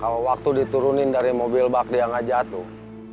kalo waktu diturunin dari mobil bak dia gak jatuh